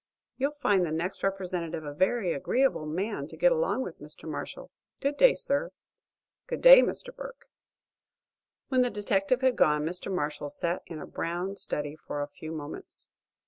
"You'll find the next Representative a very agreeable man to get along with, Mr. Marshall. Good day, sir." "Good day, Mr. Burke." When the detective had gone Mr. Marshall sat in a brown study for a few moments.